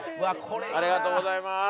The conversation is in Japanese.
ありがとうございます。